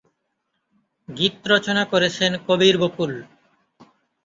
গীত রচনা করেছেন কবির বকুল।